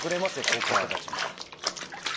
高校生たちも。